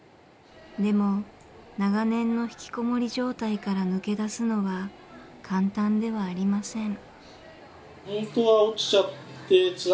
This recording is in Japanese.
でも長年のひきこもり状態から抜け出すのは簡単ではありません。